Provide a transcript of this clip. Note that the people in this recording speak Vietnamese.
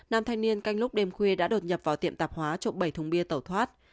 nam thanh niên canh lúc đêm khuya đã đột nhập vào tiệm tạp hóa trộm bảy thùng bia tẩu thoát